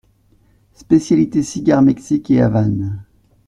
Spécialité cigares Mexique et Havane.